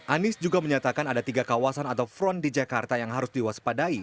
anies juga menyatakan ada tiga kawasan atau front di jakarta yang harus diwaspadai